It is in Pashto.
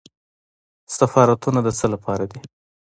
سفارتونه د څه لپاره دي؟